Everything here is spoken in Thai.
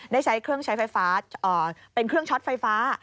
ได้ใช้เครื่องใช้ไฟฟ้าเป็นเครื่องช็อตไฟฟ้า